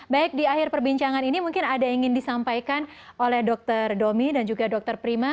baik di akhir perbincangan ini mungkin ada yang ingin disampaikan oleh dr domi dan juga dr prima